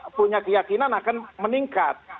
saya yakin itu punya keyakinan akan meningkat